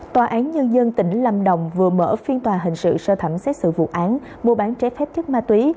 tòa án nhân dân tỉnh lâm đồng vừa mở phiên tòa hình sự sơ thẩm xét xử vụ án mua bán trái phép chất ma túy